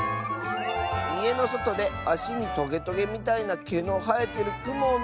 「いえのそとであしにトゲトゲみたいなけのはえてるクモをみつけた！」。